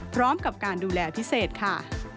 พร้อมกับการดูแลพิเศษค่ะ